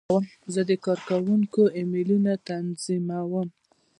زه د کارکوونکو ایمیلونه تنظیموم.